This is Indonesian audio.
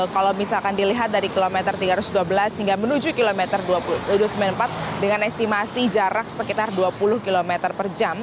kalau misalkan dilihat dari kilometer tiga ratus dua belas hingga menuju kilometer tujuh ratus sembilan puluh empat dengan estimasi jarak sekitar dua puluh km per jam